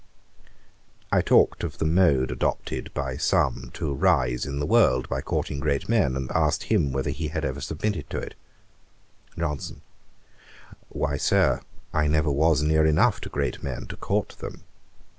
I talked of the mode adopted by some to rise in the world, by courting great men, and asked him whether he had ever submitted to it. JOHNSON. 'Why, Sir, I never was near enough to great men, to court them.